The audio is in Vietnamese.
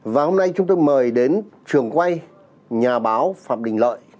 và hôm nay chúng tôi mời đến trường quay nhà báo phạm đình lợi